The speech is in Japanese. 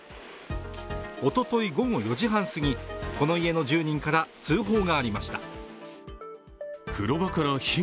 おととい午後４時半すぎこの家の住人から通報がありました。